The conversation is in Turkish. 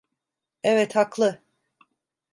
Evet, haklı.